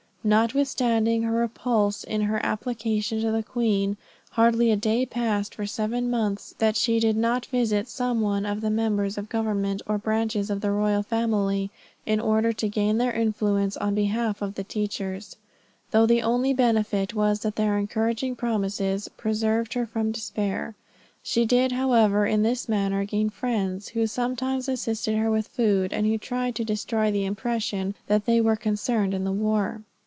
Notwithstanding her repulse in her application to the queen, hardly a day passed for seven months that she did not visit some one of the members of government, or branches of the royal family, in order to gain their influence in behalf of the teachers, though the only benefit was that their encouraging promises preserved her from despair. She did however in this manner gain friends, who sometimes assisted her with food, and who tried to destroy the impression that they were concerned in the war.